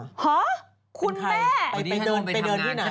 ห้าคุณแม่อันนี้ถ้านุ่มไปทำงานไปไปเดินไปที่ไหน